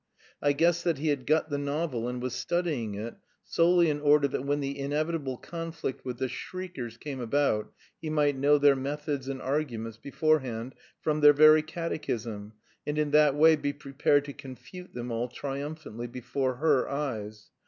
I guessed that he had got the novel and was studying it solely in order that when the inevitable conflict with the "shriekers" came about he might know their methods and arguments beforehand, from their very "catechism," and in that way be prepared to confute them all triumphantly, _before her eyes.